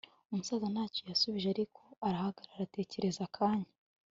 umusaza ntacyo yashubije ariko arahagarara atekereza akanya